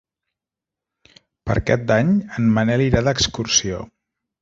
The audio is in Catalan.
Per Cap d'Any en Manel irà d'excursió.